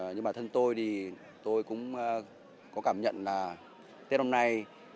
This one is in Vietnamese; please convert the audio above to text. nhưng mà thân tôi thì tôi cũng có cảm nhận là tết hôm nay